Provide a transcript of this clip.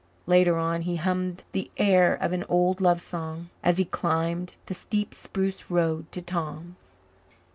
Later on he hummed the air of an old love song as he climbed the steep spruce road to Tom's.